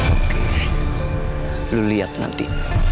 oke lu liat nanti